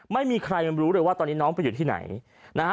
ไม่มีใครรู้เลยว่าตอนนี้น้องไปอยู่ที่ไหนนะฮะ